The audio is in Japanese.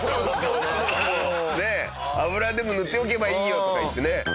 「油でも塗っておけばいいよ」とか言ってね。